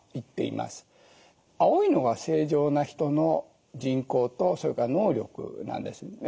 青いのが正常な人の人口とそれから能力なんですね。